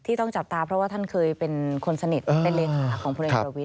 ต้องจับตาเพราะว่าท่านเคยเป็นคนสนิทเป็นเลขาของพลเอกประวิทย